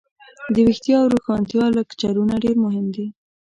دویښتیا او روښانتیا لکچرونه ډیر مهم دي.